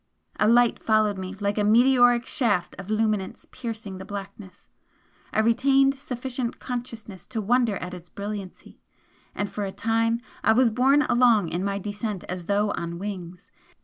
A light followed me like a meteoric shaft of luminance piercing the blackness I retained sufficient consciousness to wonder at its brilliancy, and for a time I was borne along in my descent as though on wings.